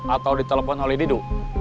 atau ditelepon oleh didu